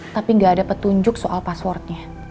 tapi nggak ada petunjuk soal passwordnya